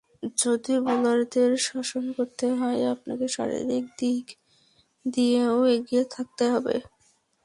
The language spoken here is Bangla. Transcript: যদি বোলারদের শাসন করতে হয়, আপনাকে শারীরিক দিক দিয়েও এগিয়ে থাকতে হবে।